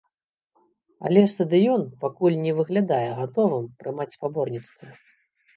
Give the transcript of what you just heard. Але стадыён пакуль не выглядае гатовым прымаць спаборніцтвы.